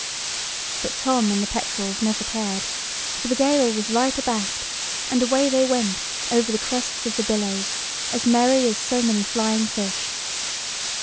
But Tom and the petrels never cared, for the gale was right abaft, and away they went over the crests of the billows, as merry as so many flying fish.